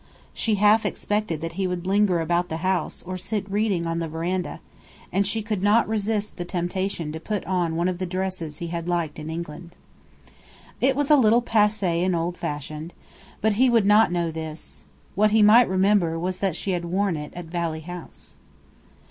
She half expected that he would linger about the house or sit reading on the veranda; and she could not resist the temptation to put on one of the dresses he had liked in England. It was a little passé and old fashioned, but he would not know this. What he might remember was that she had worn it at Valley House.